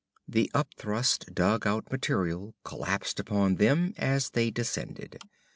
The up thrust, dug out material collapsed upon them as they descended.